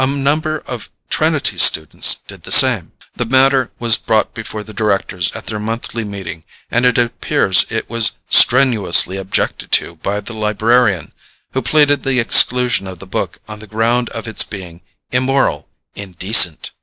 A number of Trinity students did the same. The matter was brought before the directors at their monthly meeting, and it appears it was strenuously objected to by the librarian, who pleaded the exclusion of the book on the ground of its being immoral, indecent!